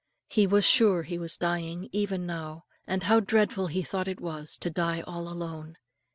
He was sure he was dying, even now; and how dreadful he thought it was to die all alone.